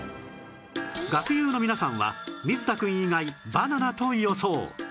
学友の皆さんは水田くん以外バナナと予想